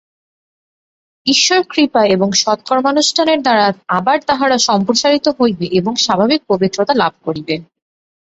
ঈশ্বর-কৃপায় এবং সৎকর্মানুষ্ঠানের দ্বারা আবার তাহারা সম্প্রসারিত হইবে এবং স্বাভাবিক পবিত্রতা লাভ করিবে।